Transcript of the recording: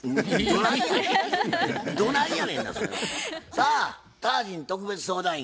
さあタージン特別相談員